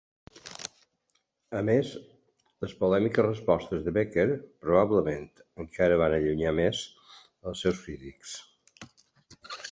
A més, les polèmiques respostes de Becker, probablement, encara van allunyar més els seus crítics.